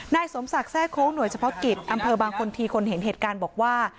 สมศักดิ์แทรกโค้งหน่วยเฉพาะกิจอำเภอบางคนทีคนเห็นเหตุการณ์บอกว่า